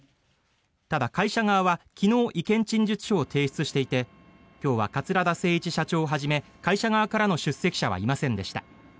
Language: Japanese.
ただ、会社側は昨日、意見陳述書を提出していて今日は桂田精一社長をはじめ会社側からの出席者はいませんでした。